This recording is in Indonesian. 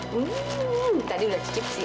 hmm tadi udah cip sih